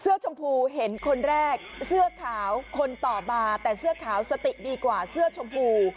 ชมพูเห็นคนแรกเสื้อขาวคนต่อมาแต่เสื้อขาวสติดีกว่าเสื้อชมพู